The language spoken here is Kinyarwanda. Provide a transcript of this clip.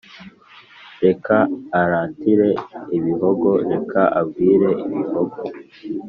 Reka aratire Ibihogo: Reka abwire Ibihogo.